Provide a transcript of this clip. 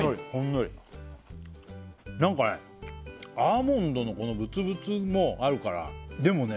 何かねアーモンドのこのブツブツもあるからでもね